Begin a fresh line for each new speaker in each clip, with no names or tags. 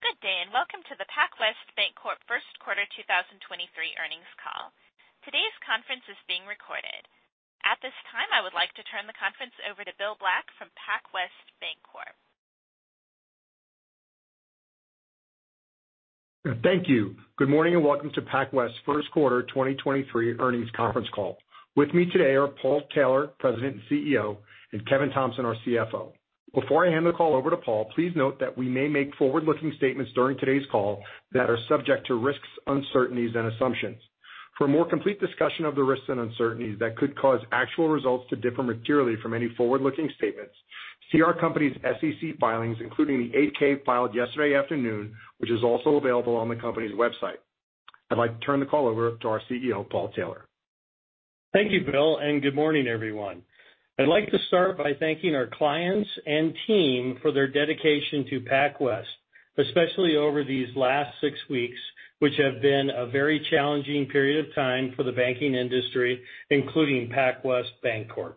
Good day, and welcome to the PacWest Bancorp first quarter 2023 earnings call. Today's conference is being recorded. At this time, I would like to turn the conference over to Bill Black from PacWest Bancorp.
Thank you. Good morning, and welcome to PacWest first quarter 2023 earnings conference call. With me today are Paul Taylor, President and CEO, and Kevin Thompson, our CFO. Before I hand the call over to Paul, please note that we may make forward-looking statements during today's call that are subject to risks, uncertainties, and assumptions. For a more complete discussion of the risks and uncertainties that could cause actual results to differ materially from any forward-looking statements, see our company's SEC filings, including the 8-K filed yesterday afternoon, which is also available on the company's website. I'd like to turn the call over to our CEO, Paul Taylor.
Thank you, Bill. Good morning, everyone. I'd like to start by thanking our clients and team for their dedication to PacWest, especially over these last six weeks, which have been a very challenging period of time for the banking industry, including PacWest Bancorp.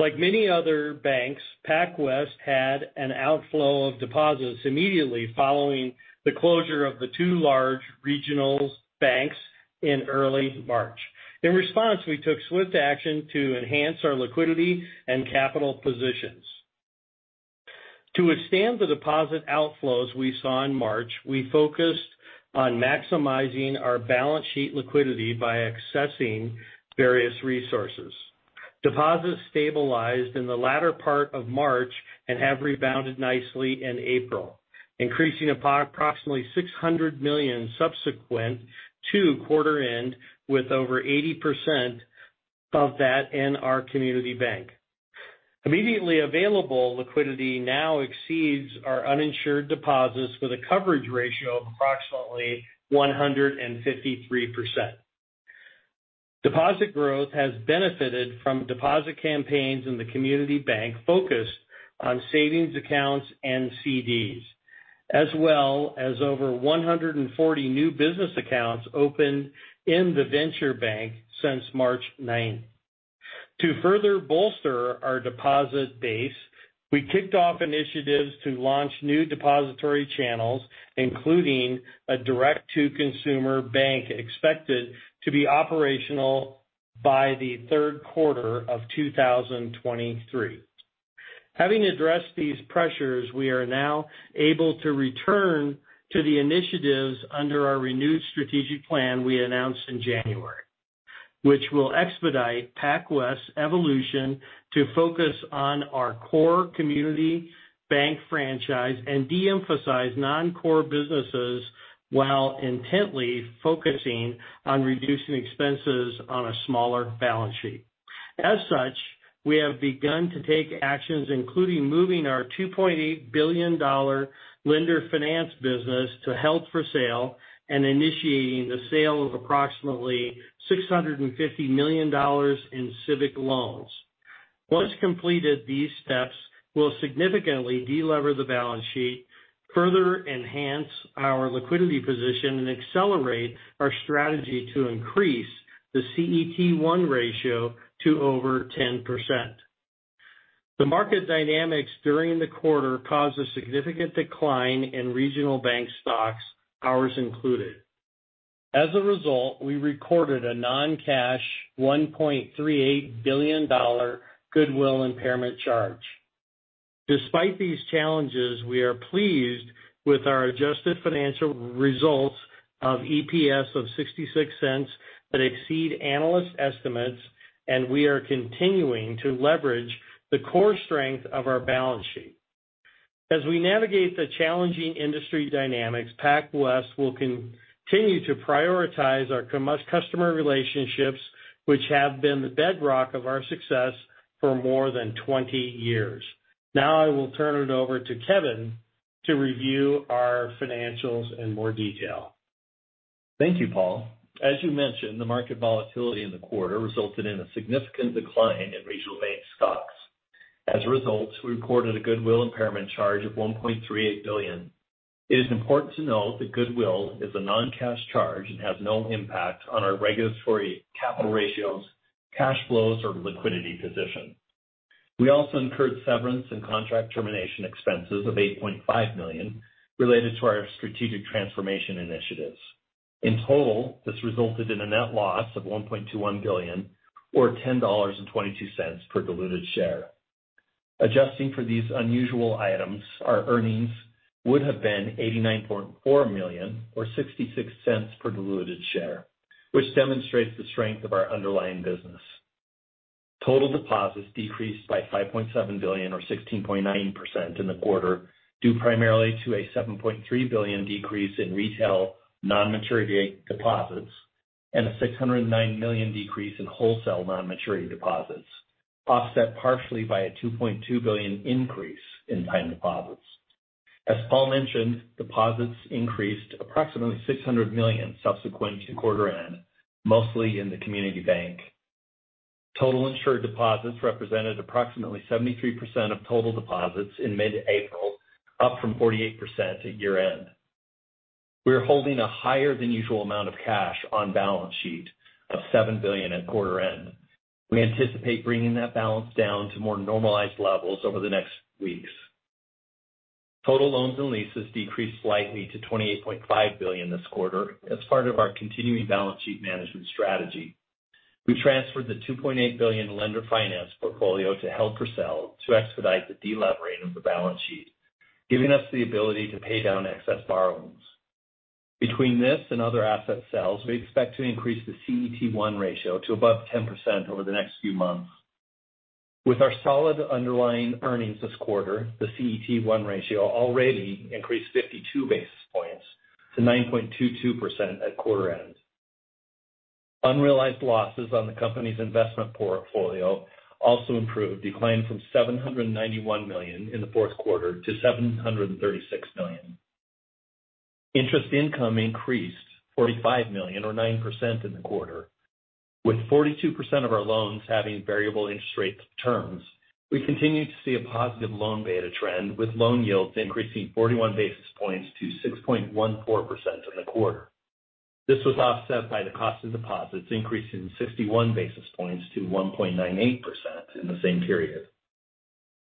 Like many other banks, PacWest had an outflow of deposits immediately following the closure of the two large regional banks in early March. In response, we took swift action to enhance our liquidity and capital positions. To withstand the deposit outflows we saw in March, we focused on maximizing our balance sheet liquidity by accessing various resources. Deposits stabilized in the latter part of March and have rebounded nicely in April, increasing approximately $600 million subsequent to quarter end, with over 80% of that in our community bank. Immediately available liquidity now exceeds our uninsured deposits with a coverage ratio of approximately 153%. Deposit growth has benefited from deposit campaigns in the community bank focused on savings accounts and CDs, as well as over 140 new business accounts opened in the venture bank since March ninth. To further bolster our deposit base, we kicked off initiatives to launch new depository channels, including a direct-to-consumer bank expected to be operational by the third quarter of 2023. Having addressed these pressures, we are now able to return to the initiatives under our renewed strategic plan we announced in January, which will expedite PacWest's evolution to focus on our core community bank franchise and de-emphasize non-core businesses while intently focusing on reducing expenses on a smaller balance sheet. As such, we have begun to take actions, including moving our $2.8 billion lender finance business to held for sale and initiating the sale of approximately $650 million in CIVIC loans. Once completed, these steps will significantly de-lever the balance sheet, further enhance our liquidity position, and accelerate our strategy to increase the CET1 ratio to over 10%. The market dynamics during the quarter caused a significant decline in regional bank stocks, ours included. As a result, we recorded a non-cash $1.38 billion goodwill impairment charge. Despite these challenges, we are pleased with our adjusted financial results of EPS of $0.66 that exceed analyst estimates, and we are continuing to leverage the core strength of our balance sheet. As we navigate the challenging industry dynamics, PacWest will continue to prioritize our customer relationships, which have been the bedrock of our success for more than 20 years. I will turn it over to Kevin to review our financials in more detail.
Thank you, Paul. As you mentioned, the market volatility in the quarter resulted in a significant decline in regional bank stocks. As a result, we recorded a goodwill impairment charge of $1.38 billion. It is important to note that goodwill is a non-cash charge and has no impact on our regulatory capital ratios, cash flows, or liquidity position. We also incurred severance and contract termination expenses of $8.5 million related to our strategic transformation initiatives. In total, this resulted in a net loss of $1.21 billion or $10.22 per diluted share. Adjusting for these unusual items, our earnings would have been $89.4 million or $0.66 per diluted share, which demonstrates the strength of our underlying business. Total deposits decreased by $5.7 billion or 16.9% in the quarter, due primarily to a $7.3 billion decrease in retail non-maturity deposits and a $609 million decrease in wholesale non-maturity deposits, offset partially by a $2.2 billion increase in time deposits. As Paul mentioned, deposits increased approximately $600 million subsequent to quarter end, mostly in the community bank. Total insured deposits represented approximately 73% of total deposits in mid-April, up from 48% at year-end. We're holding a higher than usual amount of cash on balance sheet of $7 billion at quarter end. We anticipate bringing that balance down to more normalized levels over the next weeks. Total loans and leases decreased slightly to $28.5 billion this quarter as part of our continuing balance sheet management strategy. We transferred the $2.8 billion lender finance portfolio to held for sale to expedite the delevering of the balance sheet, giving us the ability to pay down excess borrowings. Between this and other asset sales, we expect to increase the CET1 ratio to above 10% over the next few months. With our solid underlying earnings this quarter, the CET1 ratio already increased 52 basis points to 9.22% at quarter end. Unrealized losses on the company's investment portfolio also improved, declined from $791 million in the fourth quarter to $736 million. Interest income increased $45 million or 9% in the quarter, with 42% of our loans having variable interest rates terms. We continue to see a positive loan beta trend with loan yields increasing 41 basis points to 6.14% in the quarter. This was offset by the cost of deposits increasing 61 basis points to 1.98% in the same period.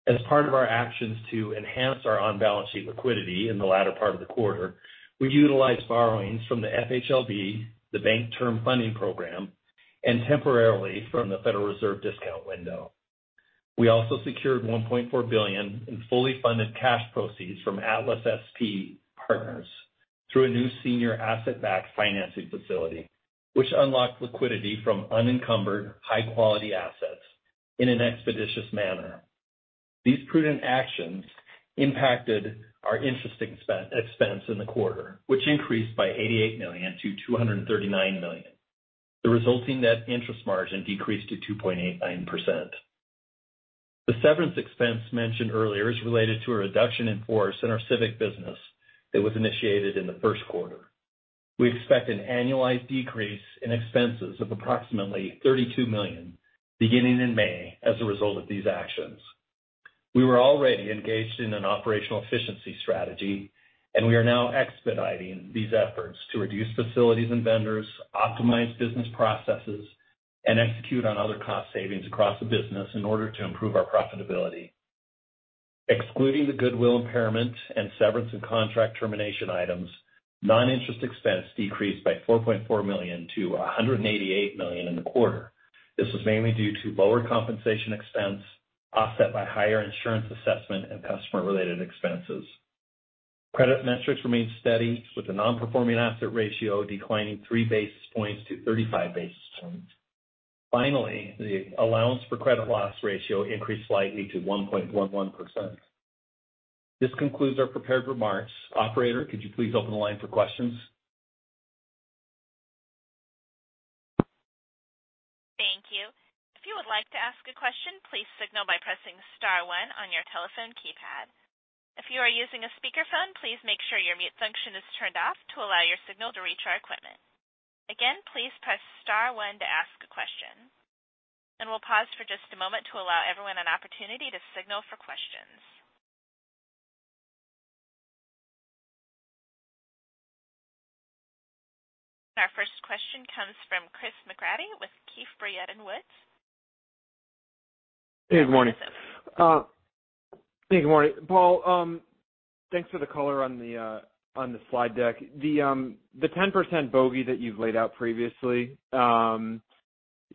As part of our actions to enhance our on-balance sheet liquidity in the latter part of the quarter, we've utilized borrowings from the FHLB, the Bank Term Funding Program, and temporarily from the Federal Reserve discount window. We also secured $1.4 billion in fully funded cash proceeds from Atlas SP Partners through a new senior asset-backed financing facility, which unlocked liquidity from unencumbered high-quality assets in an expeditious manner. These prudent actions impacted our interest expense in the quarter, which increased by $88 million to $239 million. The resulting net interest margin decreased to 2.89%. The severance expense mentioned earlier is related to a reduction in force in our CIVIC business that was initiated in the first quarter. We expect an annualized decrease in expenses of approximately $32 million beginning in May as a result of these actions. We were already engaged in an operational efficiency strategy. We are now expediting these efforts to reduce facilities and vendors, optimize business processes, and execute on other cost savings across the business in order to improve our profitability. Excluding the goodwill impairment and severance and contract termination items, non-interest expense decreased by $4.4 million to $188 million in the quarter. This was mainly due to lower compensation expense, offset by higher insurance assessment and customer related expenses. Credit metrics remained steady with the non-performing asset ratio declining 3 basis points to 35 basis points. Finally, the allowance for credit loss ratio increased slightly to 1.11%. This concludes our prepared remarks. Operator, could you please open the line for questions?
Thank you. If you would like to ask a question, please signal by pressing star one on your telephone keypad. If you are using a speakerphone, please make sure your mute function is turned off to allow your signal to reach our equipment. Again, please press star one to ask a question. We'll pause for just a moment to allow everyone an opportunity to signal for questions. Our first question comes from Christopher McGratty with Keefe, Bruyette & Woods.
Good morning. Good morning, Paul, thanks for the color on the slide deck. The 10% bogey that you've laid out previously, it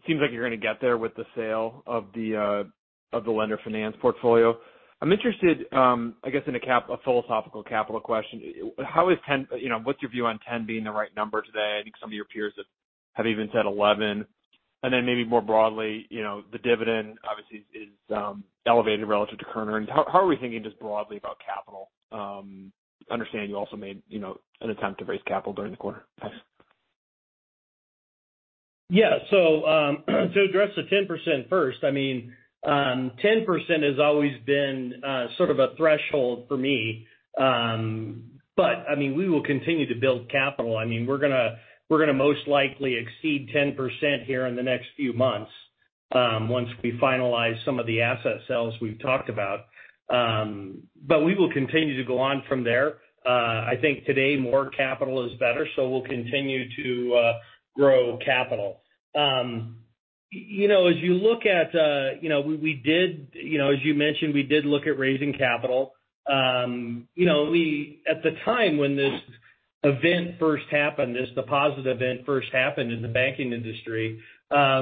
seems like you're gonna get there with the sale of the lender finance portfolio. I'm interested, I guess in a philosophical capital question. How is 10, you know, what's your view on 10 being the right number today? I think some of your peers have even said 11. Maybe more broadly, you know, the dividend obviously is elevated relative to current earnings. How are we thinking just broadly about capital? I understand you also made, you know, an attempt to raise capital during the quarter.
To address the 10% first, I mean, 10% has always been, sort of a threshold for me. I mean, we will continue to build capital. I mean, we're gonna most likely exceed 10% here in the next few months, once we finalize some of the asset sales we've talked about. We will continue to go on from there. I think today more capital is better, so we'll continue to, grow capital. you know, as you look at, you know, we did, you know, as you mentioned, we did look at raising capital. you know, we at the time when this event first happened, this deposit event first happened in the banking industry,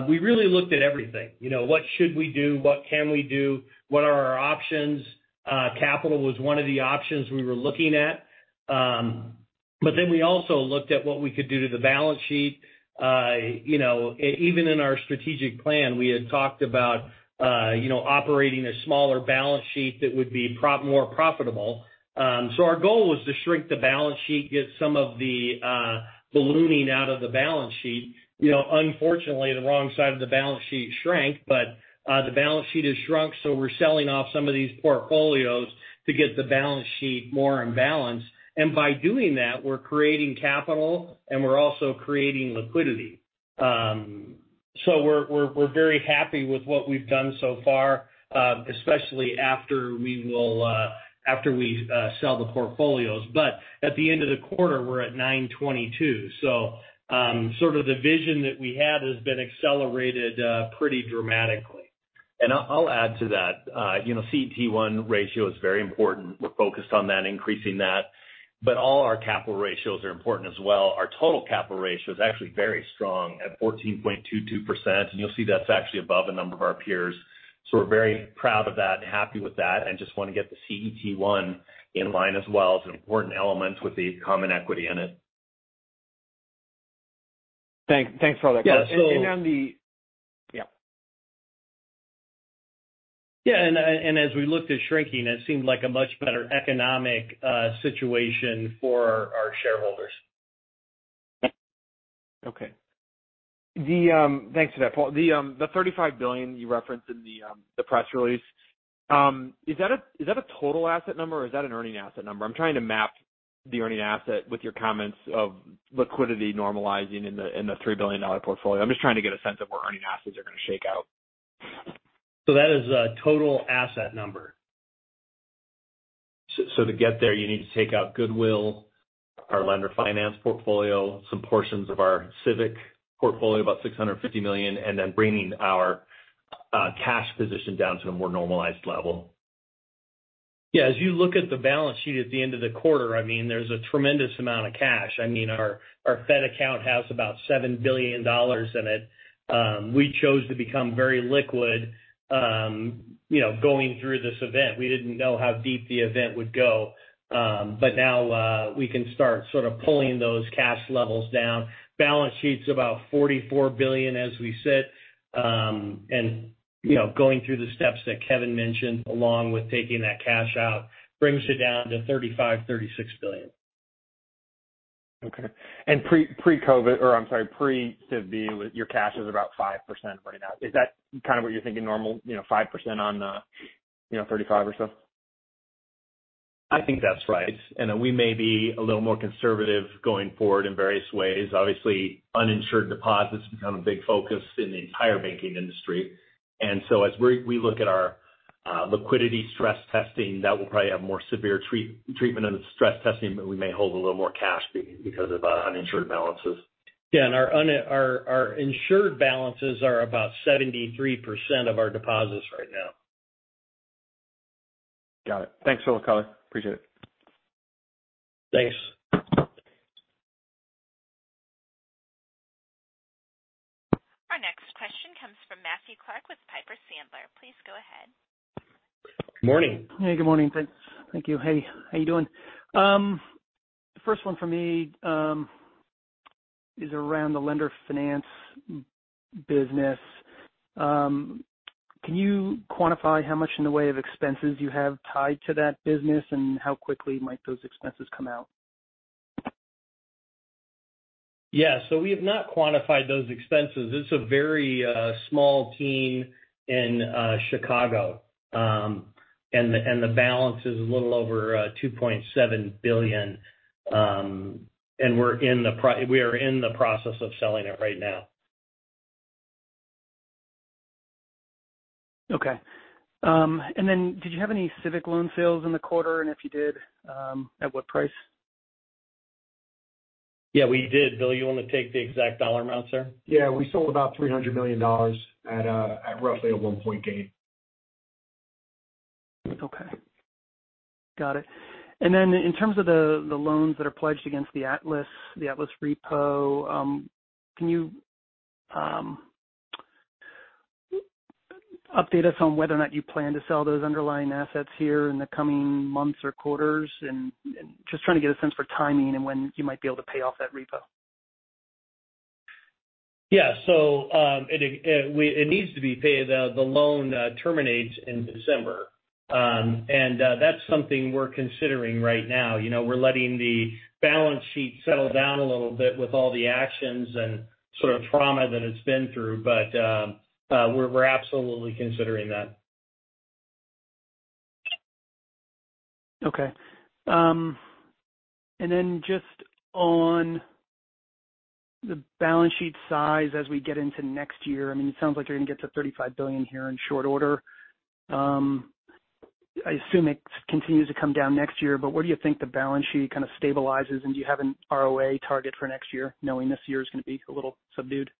we really looked at everything. You know, what should we do? What can we do?
What are our options? Capital was one of the options we were looking at. We also looked at what we could do to the balance sheet. You know, even in our strategic plan, we had talked about, you know, operating a smaller balance sheet that would be more profitable. Our goal was to shrink the balance sheet, get some of the, ballooning out of the balance sheet. You know, unfortunately, the wrong side of the balance sheet shrank, but, the balance sheet has shrunk, so we're selling off some of these portfolios to get the balance sheet more in balance. We're creating capital and we're also creating liquidity.
We're very happy with what we've done so far, especially after we will, after we sell the portfolios. At the end of the quarter, we're at 922. Sort of the vision that we had has been accelerated, pretty dramatically.
I'll add to that. You know, CET1 ratio is very important. We're focused on that, increasing that, but all our capital ratios are important as well. Our total capital ratio is actually very strong at 14.22%, and you'll see that's actually above a number of our peers. We're very proud of that and happy with that, and just wanna get the CET1 in line as well as an important element with the common equity in it.
Thanks for all that.
Yeah.
Yeah.
Yeah. As we looked at shrinking, that seemed like a much better economic situation for our shareholders.
Okay. Thanks for that, Paul. The $35 billion you referenced in the press release, is that a total asset number, or is that an earning asset number? I'm trying to map the earning asset with your comments of liquidity normalizing in the $3 billion portfolio. I'm just trying to get a sense of where earning assets are gonna shake out.
That is a total asset number.
To get there, you need to take out goodwill, our lender finance portfolio, some portions of our CIVIC portfolio, about $650 million, and then bringing our cash position down to a more normalized level.
Yeah. As you look at the balance sheet at the end of the quarter, I mean, there's a tremendous amount of cash. I mean, our Fed account has about $7 billion in it. We chose to become very liquid, you know, going through this event. We didn't know how deep the event would go. Now, we can start sort of pulling those cash levels down. Balance sheet's about $44 billion as we sit. You know, going through the steps that Kevin mentioned along with taking that cash out brings it down to $35 billion-$36 billion.
Okay. pre-COVID or, I'm sorry, pre-CIV, your cash is about 5% right now. Is that kind of what you're thinking normal, you know, 5% on, you know, 35 or so?
I think that's right. Then we may be a little more conservative going forward in various ways. Obviously, uninsured deposits become a big focus in the entire banking industry. So as we look at our liquidity stress testing, that will probably have more severe treatment of the stress testing, but we may hold a little more cash because of our uninsured balances.
Yeah. Our insured balances are about 73% of our deposits right now.
Got it. Thanks for the color. Appreciate it.
Thanks.
Our next question comes from Matthew Clark with Piper Sandler. Please go ahead.
Morning.
Hey, good morning. Thank you. Hey, how you doing? First one for me is around the lender finance business. Can you quantify how much in the way of expenses you have tied to that business and how quickly might those expenses come out?
Yeah. We have not quantified those expenses. It's a very small team in Chicago. And the balance is a little over $2.7 billion. And we're in the process of selling it right now.
Okay. Did you have any CIVIC loan sales in the quarter? If you did, at what price?
Yeah, we did. Bill, you wanna take the exact dollar amounts there?
Yeah. We sold about $300 million at roughly a one point gain.
Okay. Got it. In terms of the loans that are pledged against the Atlas repo, can you update us on whether or not you plan to sell those underlying assets here in the coming months or quarters? Just trying to get a sense for timing and when you might be able to pay off that repo.
Yeah. It needs to be paid. The loan terminates in December. That's something we're considering right now. You know, we're letting the balance sheet settle down a little bit with all the actions and sort of trauma that it's been through. We're absolutely considering that.
Okay. Just on the balance sheet size as we get into next year, I mean, it sounds like you're gonna get to $35 billion here in short order. I assume it continues to come down next year, but where do you think the balance sheet kind of stabilizes? Do you have an ROA target for next year, knowing this year is gonna be a little subdued?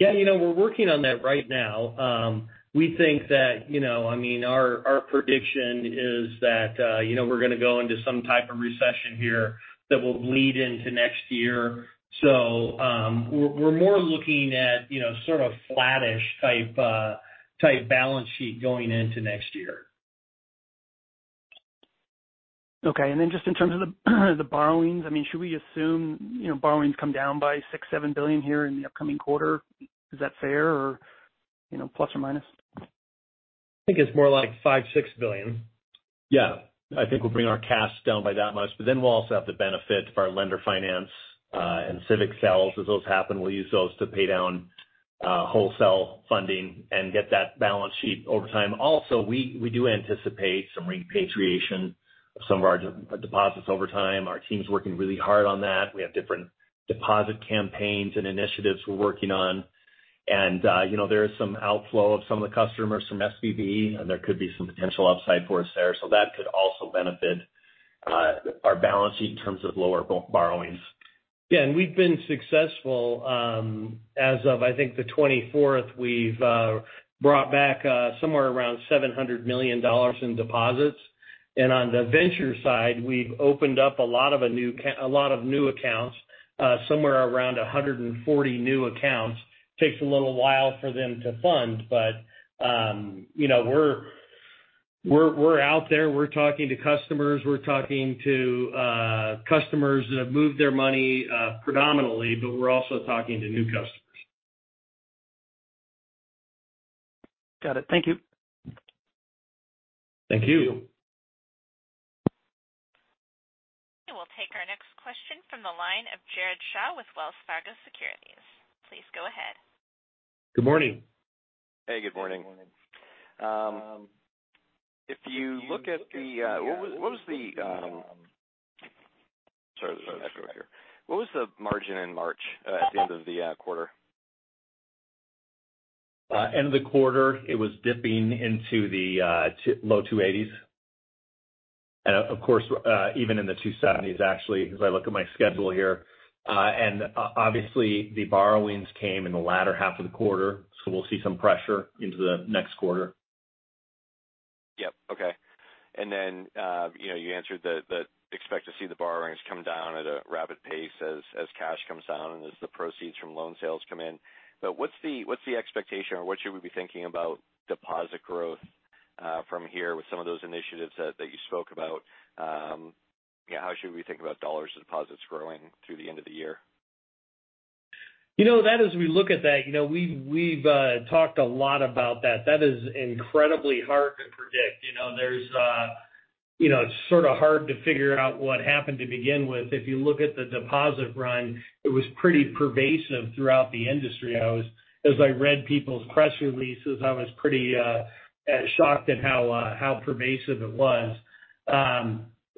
You know, we're working on that right now. We think that, you know, I mean, our prediction is that, you know, we're gonna go into some type of recession here that will bleed into next year. We're, we're more looking at, you know, sort of flattish type balance sheet going into next year.
Okay. Just in terms of the borrowings, I mean, should we assume, you know, borrowings come down by $6 billion-$7 billion here in the upcoming quarter? Is that fair or, you know, plus or minus?
I think it's more like $5 billion, $6 billion.
Yeah. I think we'll bring our cash down by that much, but then we'll also have the benefit of our lender finance, and CIVIC sales. As those happen, we'll use those to pay down wholesale funding and get that balance sheet over time. We do anticipate some repatriation of some of our deposits over time. Our team's working really hard on that. We have different deposit campaigns and initiatives we're working on. You know, there is some outflow of some of the customers from SVB Private, and there could be some potential upside for us there. That could also benefit our balance sheet in terms of lower borrowings.
Yeah, we've been successful, as of, I think the 24th, we've brought back somewhere around $700 million in deposits. On the venture side, we've opened up a lot of new accounts, somewhere around 140 new accounts. Takes a little while for them to fund, but, you know, we're out there, we're talking to customers, we're talking to customers that have moved their money predominantly, but we're also talking to new customers.
Got it. Thank you.
Thank you.
We'll take our next question from the line of Jared Shaw with Wells Fargo Securities. Please go ahead.
Good morning.
Hey, good morning. If you look at the, what was the... Sorry, there's an echo here. What was the margin in March at the end of the quarter?
End of the quarter, it was dipping into the low 280s. Of course, even in the 270s, actually, as I look at my schedule here. Obviously, the borrowings came in the latter half of the quarter, so we'll see some pressure into the next quarter.
Yep. Okay. Then, you know, you answered the, that expect to see the borrowings come down at a rapid pace as cash comes down and as the proceeds from loan sales come in. What's the expectation or what should we be thinking about deposit growth from here with some of those initiatives that you spoke about? Yeah, how should we think about dollars to deposits growing through the end of the year?
You know, that as we look at that, you know, we've talked a lot about that. That is incredibly hard to predict. You know, there's, you know, it's sort of hard to figure out what happened to begin with. If you look at the deposit run, it was pretty pervasive throughout the industry. As I read people's press releases, I was pretty shocked at how pervasive it was.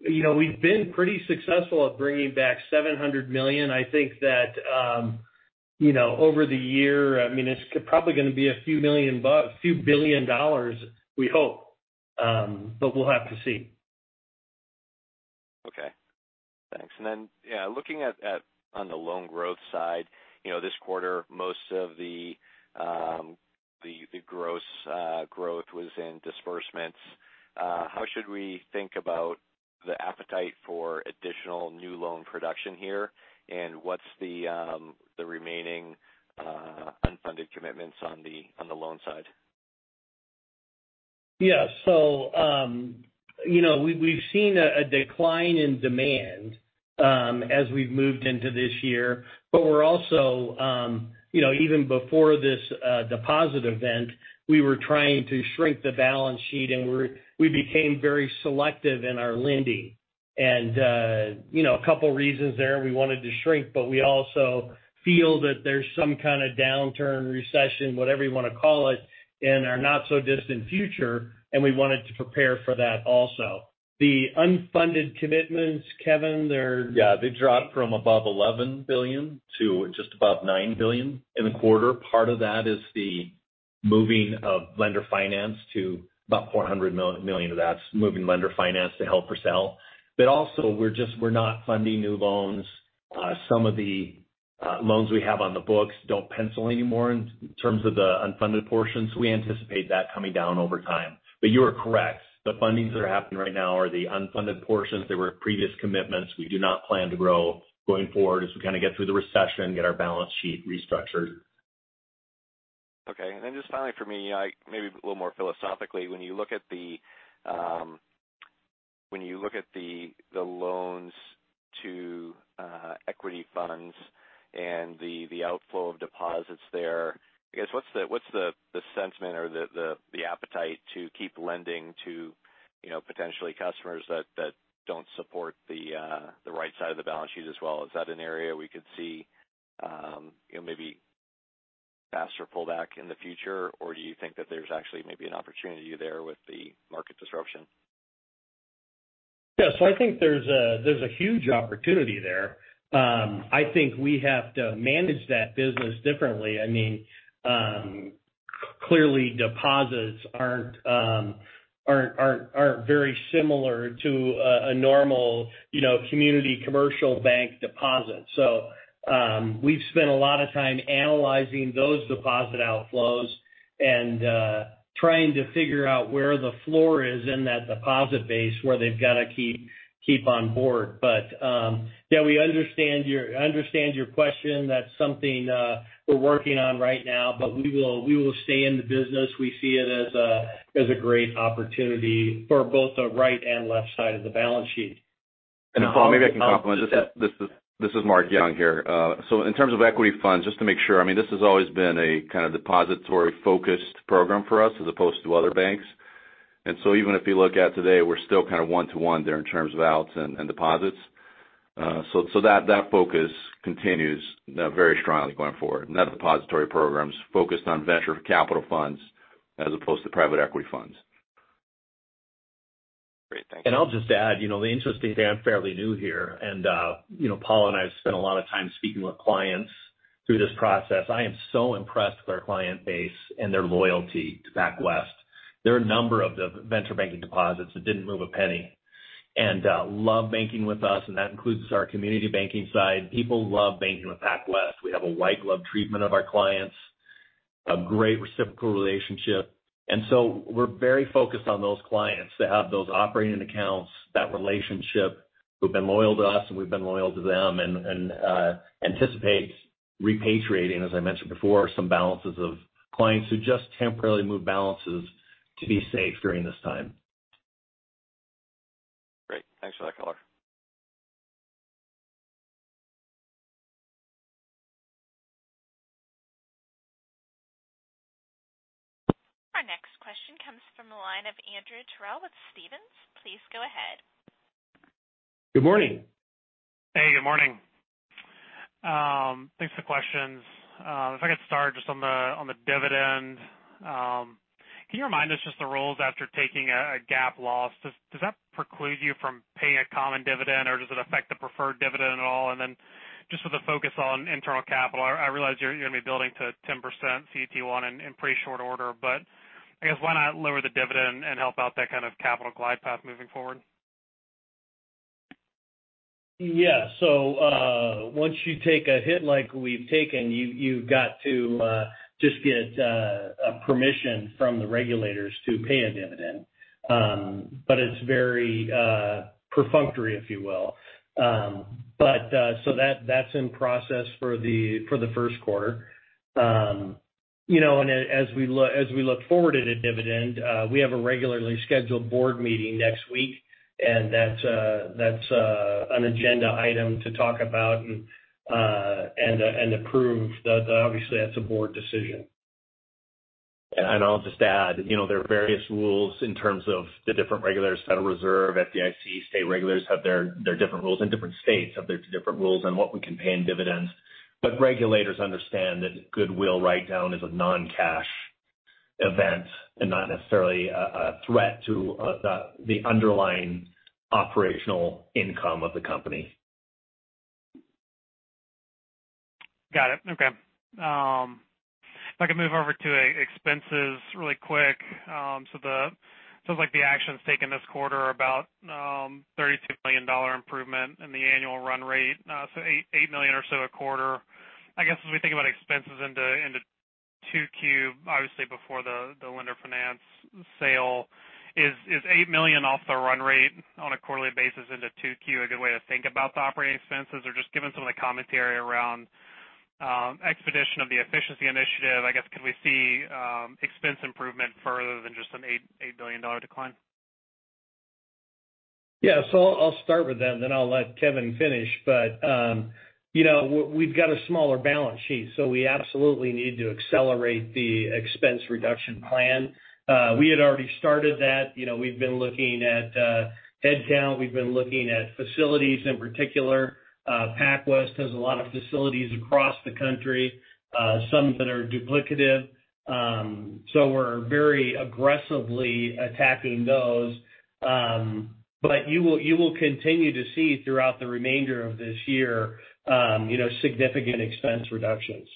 You know, we've been pretty successful at bringing back $700 million. I think that, you know, over the year, I mean, it's probably gonna be a few million few billion dollars, we hope. We'll have to see.
Okay. Thanks. Yeah, looking at, on the loan growth side, you know, this quarter, most of the gross growth was in disbursements. How should we think about the appetite for additional new loan production here? What's the remaining unfunded commitments on the loan side?
Yeah. You know, we've seen a decline in demand, as we've moved into this year. We're also, you know, even before this deposit event, we were trying to shrink the balance sheet, and we became very selective in our lending. You know, a couple reasons there we wanted to shrink, but we also feel that there's some kinda downturn, recession, whatever you wanna call it, in our not so distant future, and we wanted to prepare for that also. The unfunded commitments, Kevin.
They dropped from above $11 billion to just above $9 billion in the quarter. Part of that is the moving of lender finance to about $400 million of that, moving lender finance to held for sale. Also, we're not funding new loans. Some of the loans we have on the books don't pencil anymore in terms of the unfunded portions. We anticipate that coming down over time. You are correct. The fundings that are happening right now are the unfunded portions. They were previous commitments. We do not plan to grow going forward as we kinda get through the recession, get our balance sheet restructured.
Okay. Just finally for me, maybe a little more philosophically, when you look at the loans to equity funds and the outflow of deposits there, I guess, what's the sentiment or the appetite to keep lending to, you know, potentially customers that don't support the right side of the balance sheet as well? Is that an area we could see, you know, maybe faster pullback in the future? Do you think that there's actually maybe an opportunity there with the market disruption?
Yeah, I think there's a huge opportunity there. I think we have to manage that business differently. I mean, clearly, deposits aren't very similar to a normal, you know, community commercial bank deposit. We've spent a lot of time analyzing those deposit outflows and trying to figure out where the floor is in that deposit base where they've gotta keep on board. Yeah, we understand your question. That's something we're working on right now. We will stay in the business. We see it as a great opportunity for both the right and left side of the balance sheet.
Paul, maybe I can compliment. This is Mark Yung here. In terms of equity funds, just to make sure, this has always been a kind of depository-focused program for us as opposed to other banks. Even if you look at today, we're still kind of one-to-one there in terms of outs and deposits. That focus continues very strongly going forward. That depository program's focused on venture capital funds as opposed to private equity funds.
Great. Thank you.
I'll just add, you know, the interesting thing, I'm fairly new here, you know, Paul and I have spent a lot of time speaking with clients through this process. I am so impressed with our client base and their loyalty to PacWest. There are a number of the venture banking deposits that didn't move a penny. Love banking with us, and that includes our community banking side. People love banking with PacWest. We have a white glove treatment of our clients, a great reciprocal relationship. We're very focused on those clients to have those operating accounts, that relationship, who've been loyal to us, and we've been loyal to them, and anticipate repatriating, as I mentioned before, some balances of clients who just temporarily moved balances to be safe during this time.
Great. Thanks for that color.
Our next question comes from the line of Andrew Terrell with Stephens. Please go ahead.
Good morning.
Hey, good morning. Thanks for the questions. If I get started just on the dividend, can you remind us just the rules after taking a GAAP loss? Does that preclude you from paying a common dividend, or does it affect the preferred dividend at all? Just with the focus on internal capital, I realize you're gonna be building to 10% CET1 in pretty short order. I guess why not lower the dividend and help out that kind of capital glide path moving forward?
Yeah. Once you take a hit like we've taken, you've got to just get a permission from the regulators to pay a dividend. It's very perfunctory, if you will. So that's in process for the first quarter. You know, as we look forward at a dividend, we have a regularly scheduled board meeting next week, and that's an agenda item to talk about and approve. Obviously, that's a board decision.
I'll just add, you know, there are various rules in terms of the different regulators, Federal Reserve, FDIC, state regulators have their different rules, and different states have their different rules on what we can pay in dividends. Regulators understand that goodwill write down is a non-cash event and not necessarily a threat to the underlying operational income of the company.
Got it. Okay. If I can move over to expenses really quick. Sounds like the actions taken this quarter are about a $32 million improvement in the annual run rate. $8 million or so a quarter. I guess, as we think about expenses into 2Q, obviously before the lender finance sale, is $8 million off the run rate on a quarterly basis into 2Q a good way to think about the operating expenses? Just given some of the commentary around expedition of the efficiency initiative, I guess, can we see expense improvement further than just an $8 million decline?
I'll start with that, and then I'll let Kevin finish. You know, we've got a smaller balance sheet, so we absolutely need to accelerate the expense reduction plan. We had already started that. You know, we've been looking at headcount, we've been looking at facilities in particular. PacWest has a lot of facilities across the country, some that are duplicative. We're very aggressively attacking those. You will continue to see throughout the remainder of this year, you know, significant expense reductions.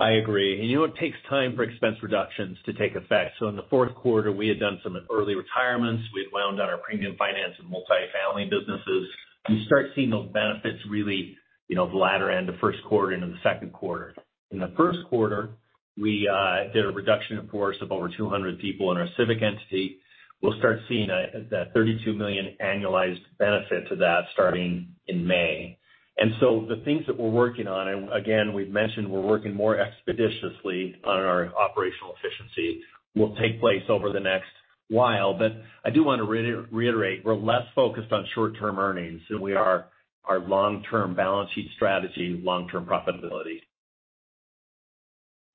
I agree. You know, it takes time for expense reductions to take effect. In the fourth quarter, we had done some early retirements. We had wound down our premium finance and multifamily businesses. You start seeing those benefits really, you know, the latter end of first quarter into the second quarter. In the first quarter, we did a reduction, of course, of over 200 people in our CIVIC entity. We'll start seeing that $32 million annualized benefit to that starting in May. The things that we're working on, and again we've mentioned we're working more expeditiously on our operational efficiency, will take place over the next while. I do want to reiterate, we're less focused on short-term earnings than we are our long-term balance sheet strategy, long-term profitability.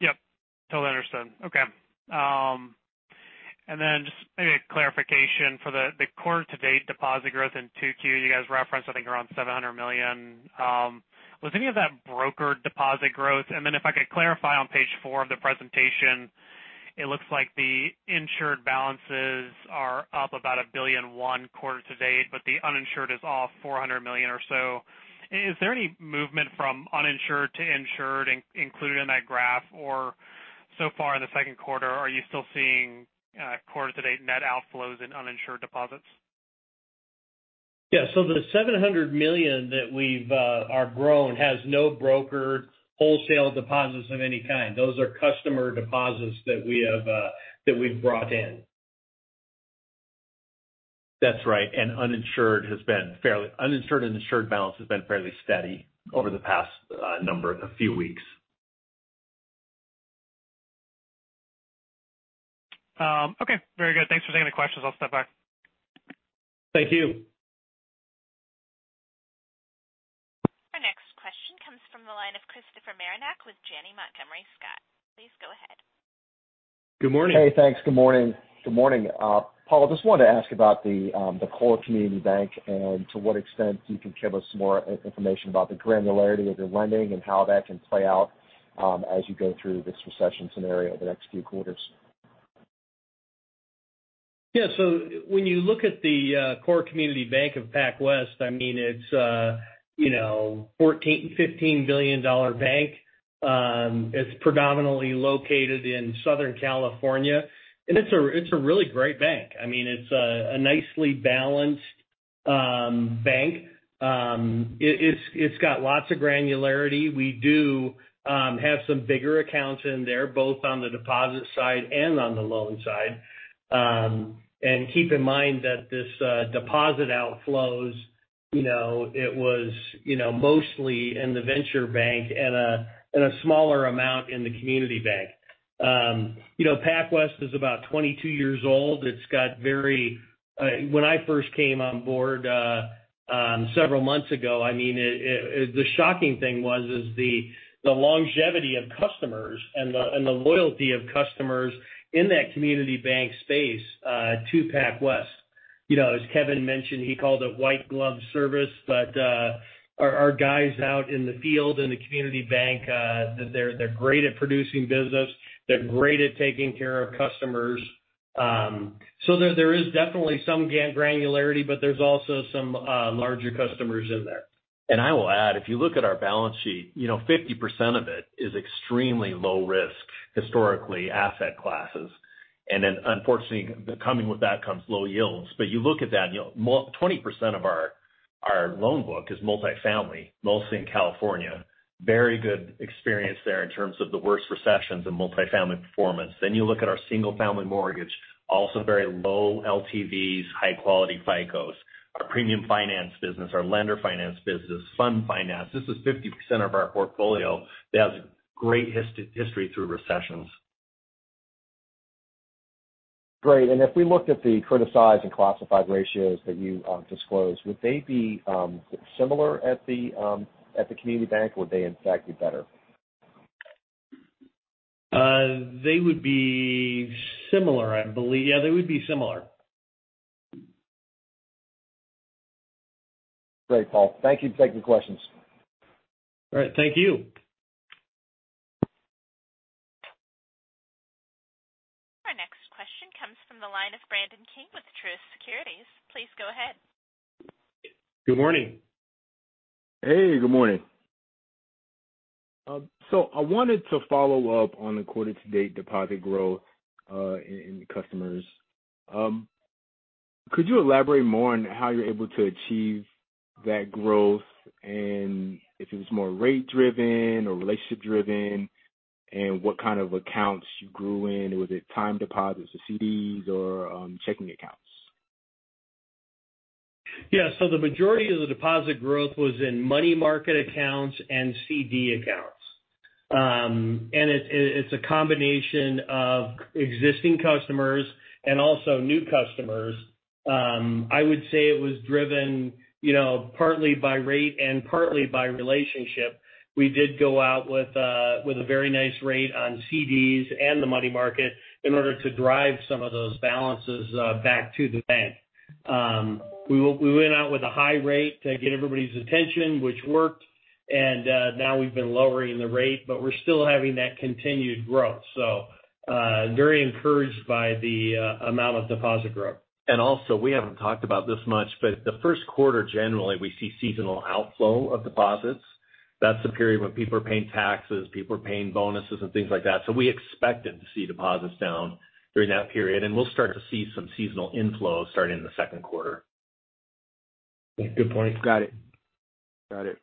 Yep. Totally understand. Okay. Just maybe a clarification for the quarter-to-date deposit growth in 2Q, you guys referenced, I think around $700 million. Was any of that brokered deposit growth? If I could clarify on page 4 of the presentation, it looks like the insured balances are up about $1.1 billion quarter-to-date, but the uninsured is off $400 million or so. Is there any movement from uninsured to insured included in that graph? So far in the second quarter, are you still seeing quarter-to-date net outflows in uninsured deposits?
Yeah. The $700 million that we've, are grown has no brokered wholesale deposits of any kind. Those are customer deposits that we have, that we've brought in.
That's right. Uninsured and insured balance has been fairly steady over the past a few weeks.
Okay. Very good. Thanks for taking the questions. I'll step back.
Thank you.
Our next question comes from the line of Christopher Marinac with Janney Montgomery Scott. Please go ahead.
Good morning.
Hey, thanks. Good morning. Good morning. Paul, just wanted to ask about the core community bank and to what extent you can give us some more information about the granularity of your lending and how that can play out as you go through this recession scenario over the next few quarters?
When you look at the core community bank of PacWest, I mean, it's, you know, a $14 billion-$15 billion bank. It's predominantly located in Southern California. It's a really great bank. I mean, it's a nicely balanced bank. It's got lots of granularity. We do have some bigger accounts in there, both on the deposit side and on the loan side. Keep in mind that this deposit outflows, you know, it was, you know, mostly in the venture bank and a smaller amount in the community bank. You know, PacWest is about 22 years old. It's got very... When I first came on board, several months ago, I mean, the shocking thing was the longevity of customers and the loyalty of customers in that community bank space to PacWest. You know, as Kevin mentioned, he called it white glove service, but our guys out in the field in the community bank, they're great at producing business. They're great at taking care of customers. There is definitely some granularity, but there's also some larger customers in there.
I will add, if you look at our balance sheet, you know, 50% of it is extremely low risk, historically asset classes. unfortunately, the coming with that comes low yields. you look at that and you go 20% of our loan book is multifamily, mostly in California. Very good experience there in terms of the worst recessions and multifamily performance. you look at our single-family mortgage, also very low LTVs, high-quality FICOs. Our premium finance business, our lender finance business, fund finance. This is 50% of our portfolio that has great history through recessions.
Great. If we looked at the criticized and classified ratios that you disclosed, would they be similar at the community bank? Would they in fact be better?
They would be similar, I believe. Yeah, they would be similar.
Great, Paul. Thank you. Thanks for the questions.
All right. Thank you.
Our next question comes from the line of Brandon King with Truist Securities. Please go ahead.
Good morning.
Hey, good morning.
I wanted to follow up on the quarter-to-date deposit growth, in customers. Could you elaborate more on how you're able to achieve that growth and if it was more rate-driven or relationship-driven, and what kind of accounts you grew in? Was it time deposits or CDs or checking accounts?
The majority of the deposit growth was in money market accounts and CD accounts. It's a combination of existing customers and also new customers. I would say it was driven, you know, partly by rate and partly by relationship. We did go out with a very nice rate on CDs and the money market in order to drive some of those balances back to the bank. We went out with a high rate to get everybody's attention, which worked, and now we've been lowering the rate, but we're still having that continued growth. Very encouraged by the amount of deposit growth.
Also, we haven't talked about this much, but the first quarter, generally, we see seasonal outflow of deposits. That's the period when people are paying taxes, people are paying bonuses and things like that. We expected to see deposits down during that period, and we'll start to see some seasonal inflows starting in the second quarter.
Good point. Got it. Got it.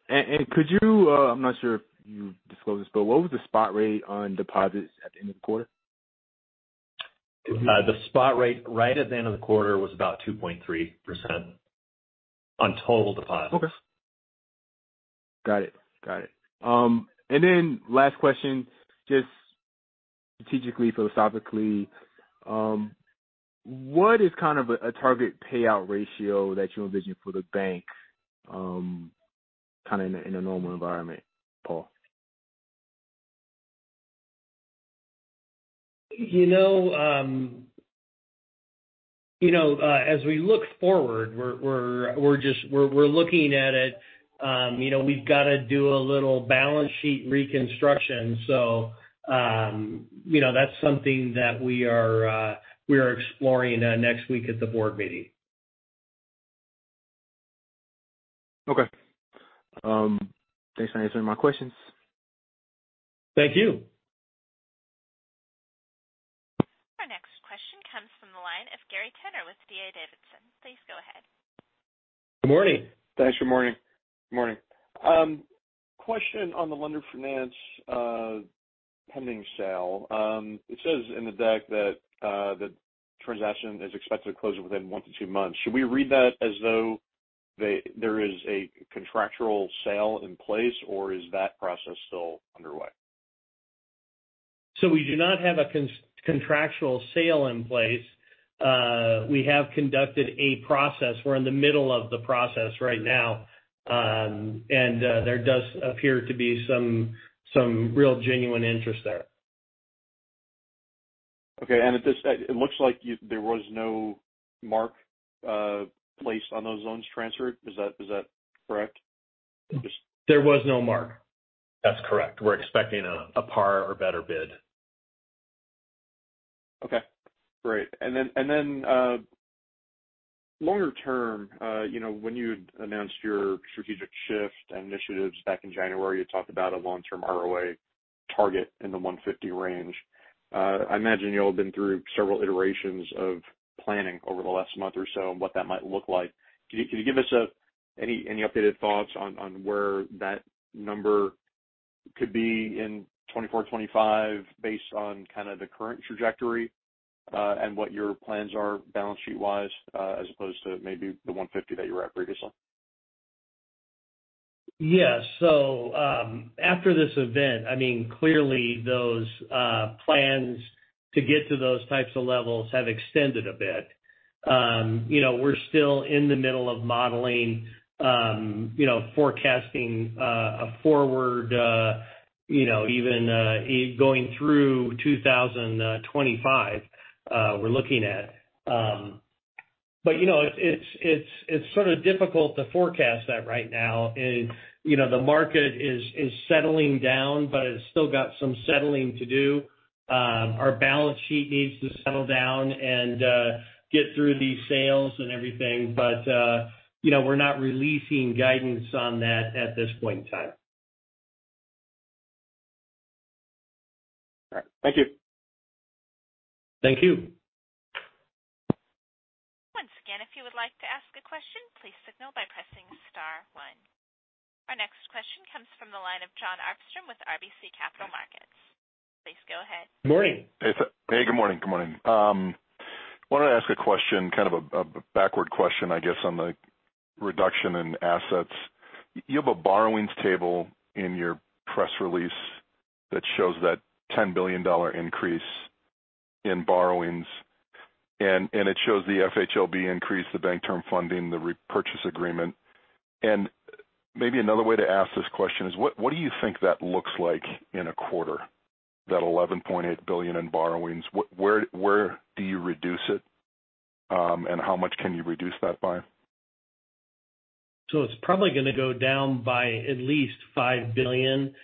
Could you, I'm not sure if you disclosed this, but what was the spot rate on deposits at the end of the quarter?
The spot rate right at the end of the quarter was about 2.3% on total deposits.
Okay. Got it. Got it. Last question, just strategically, philosophically, what is kind of a target payout ratio that you envision for the bank, kind of in a, in a normal environment, Paul?
You know, you know, as we look forward, we're looking at it, you know, we've gotta do a little balance sheet reconstruction. You know, that's something that we are, we are exploring, next week at the board meeting.
Okay. Thanks for answering my questions.
Thank you.
Our next question comes from the line of Gary Tenner with D.A. Davidson. Please go ahead.
Good morning.
Thanks. Good morning. Good morning. Question on the lender finance pending sale. It says in the deck that the transaction is expected to close within 1-2 months. Should we read that as though there is a contractual sale in place, or is that process still underway?
We do not have a contractual sale in place. We have conducted a process. We're in the middle of the process right now. There does appear to be some real genuine interest there.
Okay. There was no mark placed on those loans transferred. Is that correct?
There was no mark.
That's correct. We're expecting a par or better bid.
Okay, great. longer term, you know, when you announced your strategic shift initiatives back in January, you talked about a long-term ROA target in the 150 range. I imagine you all have been through several iterations of planning over the last month or so and what that might look like. Can you give us any updated thoughts on where that number could be in 2024, 2025 based on kind of the current trajectory and what your plans are balance sheet-wise, as opposed to maybe the 150 that you were at previously?
Yes. After this event, I mean, clearly those plans to get to those types of levels have extended a bit. You know, we're still in the middle of modeling, you know, forecasting a forward, you know, even going through 2025, we're looking at. You know, it's sort of difficult to forecast that right now. You know, the market is settling down, but it's still got some settling to do. Our balance sheet needs to settle down and get through these sales and everything, but, you know, we're not releasing guidance on that at this point in time.
All right. Thank you.
Thank you.
Once again, if you would like to ask a question, please signal by pressing star 1. Our next question comes from the line of Jon Arfstrom with RBC Capital Markets. Please go ahead.
Morning.
Hey, good morning. Good morning. Wanted to ask a question, kind of a backward question, I guess, on the reduction in assets. You have a borrowings table in your press release that shows that $10 billion increase in borrowings, and it shows the FHLB increase, the Bank Term Funding, the repurchase agreement. Maybe another way to ask this question is what do you think that looks like in a quarter, that $11.8 billion in borrowings? Where do you reduce it, and how much can you reduce that by?
It's probably gonna go down by at least $5 billion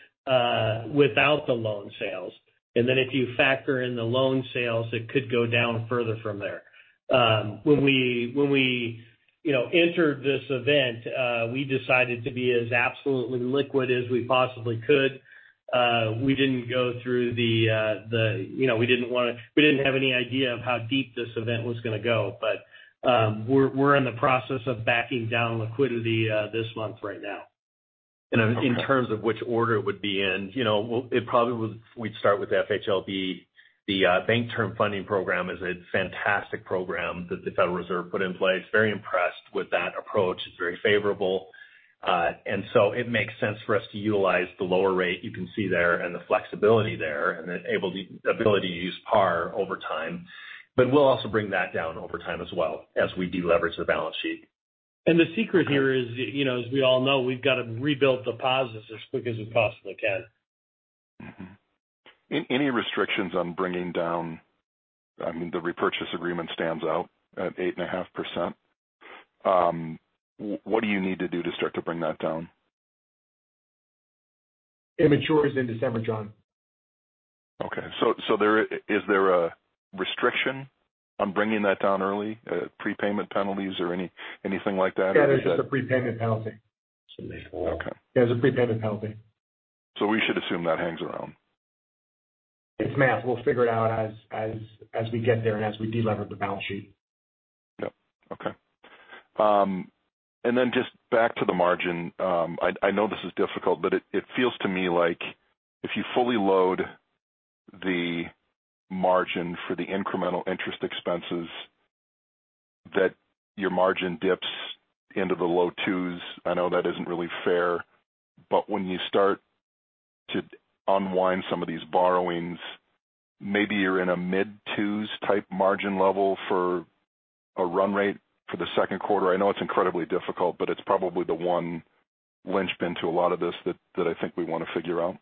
without the loan sales. If you factor in the loan sales, it could go down further from there. When we, you know, entered this event, we decided to be as absolutely liquid as we possibly could. We didn't go through the, you know, we didn't have any idea of how deep this event was gonna go. We're in the process of backing down liquidity this month right now.
In terms of which order it would be in, you know, we'd start with the FHLB. The Bank Term Funding Program is a fantastic program that the Federal Reserve put in place. Very impressed with that approach. It's very favorable. It makes sense for us to utilize the lower rate you can see there and the flexibility there and the ability to use par over time. We'll also bring that down over time as well as we deleverage the balance sheet.
The secret here is, you know, as we all know, we've got to rebuild deposits as quick as we possibly can.
Any restrictions on bringing down, I mean, the repurchase agreement stands out at 8.5%. What do you need to do to start to bring that down?
It matures in December, Jon.
Okay. Is there a restriction on bringing that down early, prepayment penalties or anything like that?
Yeah, there's a prepayment penalty.
Should be four.
Okay.
There's a prepayment penalty.
We should assume that hangs around.
It's math. We'll figure it out as we get there and as we de-lever the balance sheet.
Yep. Okay. Then just back to the margin. I know this is difficult, but it feels to me like if you fully load the margin for the incremental interest expenses, that your margin dips into the low twos. I know that isn't really fair, when you start to unwind some of these borrowings, maybe you're in a mid twos type margin level for a run rate for the second quarter. I know it's incredibly difficult, but it's probably the one linchpin to a lot of this that I think we want to figure out.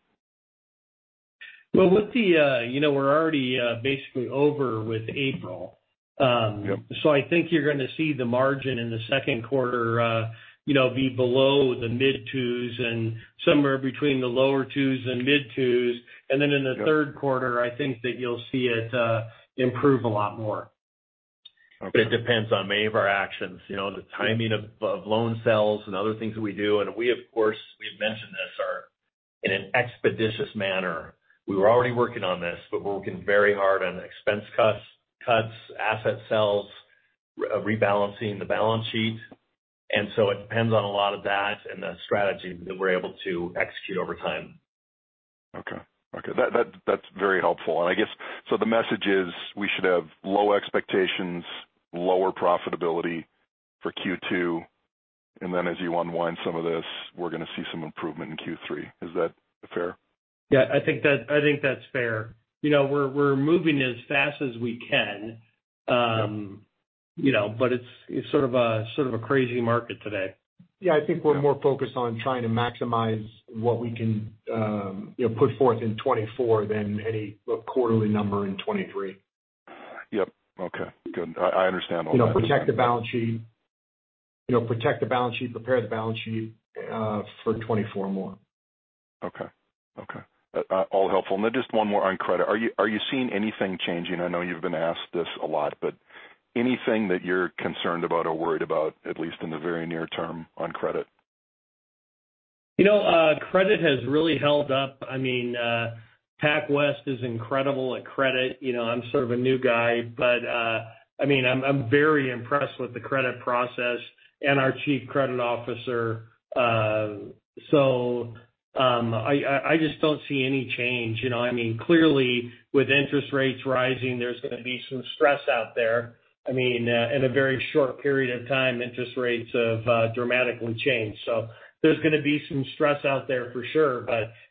Well, with the, you know, we're already basically over with April. I think you're gonna see the margin in the second quarter, you know, be below the mid-2s and somewhere between the lower 2s and mid-2s. In the third quarter, I think that you'll see it improve a lot more.
Okay.
It depends on many of our actions, you know, the timing of loan sales and other things that we do. We of course, we've mentioned this, are in an expeditious manner. We were already working on this, we're working very hard on expense cuts, asset sales, rebalancing the balance sheet. It depends on a lot of that and the strategy that we're able to execute over time.
Okay. Okay. That's very helpful. I guess, the message is we should have low expectations, lower profitability for Q2. As you unwind some of this, we're going to see some improvement in Q3. Is that fair?
Yeah, I think that, I think that's fair. You know, we're moving as fast as we can. You know, but it's sort of a crazy market today.
Yeah. I think we're more focused on trying to maximize what we can, put forth in 2024 than any quarterly number in 2023.
Yep. Okay. Good. I understand all that.
You know, protect the balance sheet, prepare the balance sheet for 24 more.
Okay. Okay. All helpful. Just one more on credit. Are you seeing anything changing? I know you've been asked this a lot, but anything that you're concerned about or worried about, at least in the very near term, on credit?
You know, credit has really held up. I mean, PacWest is incredible at credit. You know, I'm sort of a new guy, but I mean, I'm very impressed with the credit process and our chief credit officer. I just don't see any change. You know, I mean, clearly, with interest rates rising, there's going to be some stress out there. I mean, in a very short period of time, interest rates have dramatically changed. There's going to be some stress out there for sure.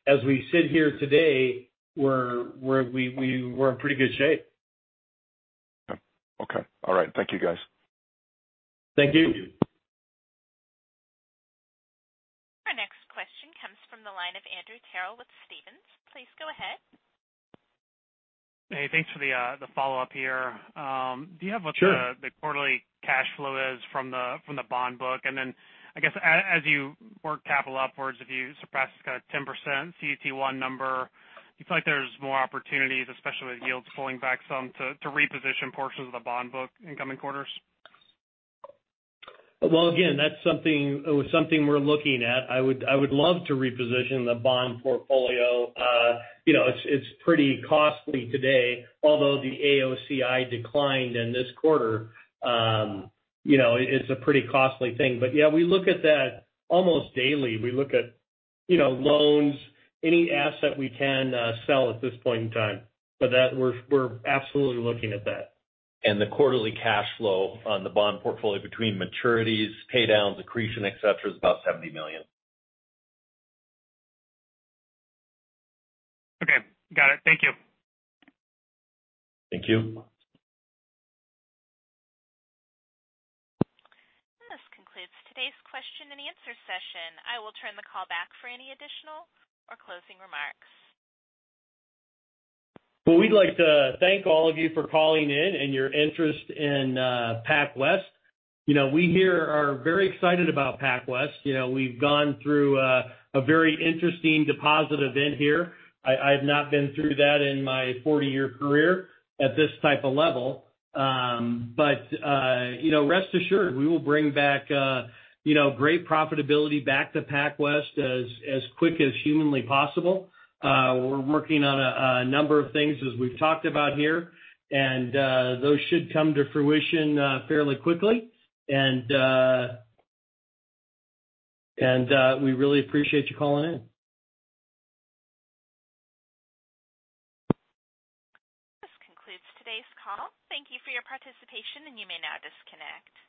As we sit here today, we're in pretty good shape.
Okay. All right. Thank you, guys.
Thank you.
Our next question comes from the line of Andrew Terrell with Stephens. Please go ahead.
Hey, thanks for the follow-up here. Do you have what.
Sure.
the quarterly cash flow is from the bond book? Then I guess as you work capital upwards, if you suppress kind of 10% CET1 number, do you feel like there's more opportunities, especially with yields pulling back some, to reposition portions of the bond book in coming quarters?
Well, again, that's something we're looking at. I would love to reposition the bond portfolio. you know, it's pretty costly today. Although the AOCI declined in this quarter, you know, it's a pretty costly thing. Yeah, we look at that almost daily. We look at, you know, loans, any asset we can sell at this point in time. That, we're absolutely looking at that.
The quarterly cash flow on the bond portfolio between maturities, pay downs, accretion, et cetera, is about $70 million.
Okay. Got it. Thank you.
Thank you.
This concludes today's question and answer session. I will turn the call back for any additional or closing remarks.
Well, we'd like to thank all of you for calling in and your interest in PacWest. You know, we here are very excited about PacWest. You know, we've gone through a very interesting deposit event here. I've not been through that in my 40-year career at this type of level. You know, rest assured, we will bring back, you know, great profitability back to PacWest as quick as humanly possible. We're working on a number of things, as we've talked about here, and those should come to fruition fairly quickly. We really appreciate you calling in.
This concludes today's call. Thank you for your participation, and you may now disconnect.